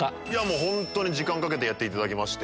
本当に時間かけてやっていただきまして。